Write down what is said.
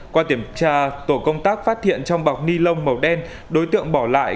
qua kiểm tra tổ công tác phát hiện trong bọc ni lông màu đen đối tượng bỏ lại